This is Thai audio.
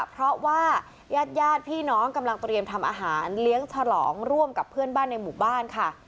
เพราะว่าญาติพี่น้องกำลังเตรียมทำอาหารเลี้ยงฉลองร่วมกับเพื่อนบ้านในหมู่บ้านค่ะ